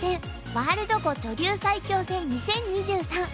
ワールド碁女流最強戦２０２３」